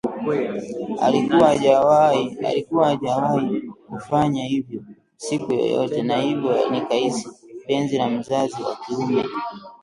Alikuwa hajawahi kufanya hivyo siku yoyote na hivyo nikahisi penzi la mzazi wa kiume